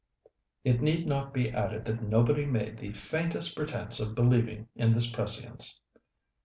It need not be added that nobody made the faintest pretence of believing in this prescience.